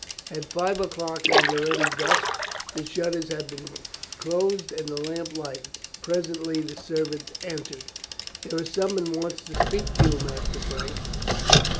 At five o'clock it was already dusk, the shutters had been closed, and the lamp lighted. Presently the servant entered. "There is someone wants to speak to you, Master Frank."